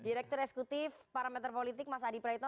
direktur eksekutif parameter politik mas adi praetno